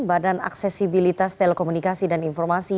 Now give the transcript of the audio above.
badan aksesibilitas telekomunikasi dan informasi